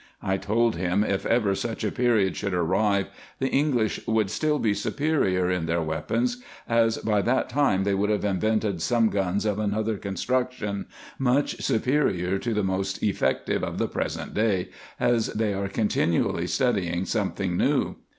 I told him, if ever such a period o o 2 284 RESEARCHES AND OPERATIONS should arrive, the English would still be superior in their weapons, as by that time they would have invented some guns of another construction, much superior to the most effective of the present day, as they are continually studying something new.